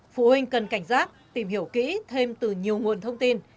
phụ huynh cần cảnh giác tìm hiểu kỹ thêm từ nhiều nguồn thông tin